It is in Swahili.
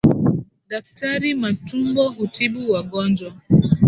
Daktari Matumbo hutibu wagonjwa.